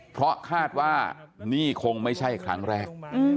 เพราะคาดว่านี่คงไม่ใช่ครั้งแรก